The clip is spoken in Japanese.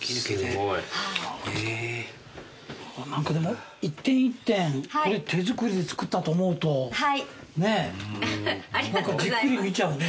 すごい。一点一点これ手作りで作ったと思うとじっくり見ちゃうね。